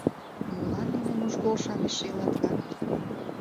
Молан нине нужгол-шамычше илат гын?